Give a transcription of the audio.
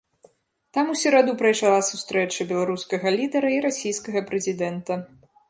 Там у сераду прайшла сустрэча беларускага лідара і расійскага прэзідэнта.